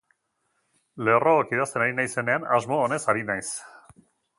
Lerrook idazten ari naizenean, asmo onez ari naiz.